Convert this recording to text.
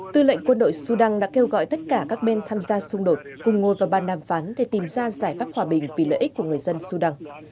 tư lệnh quân đội sudan đã kêu gọi tất cả các bên tham gia xung đột cùng ngồi vào bàn đàm phán để tìm ra giải pháp hòa bình vì lợi ích của người dân sudan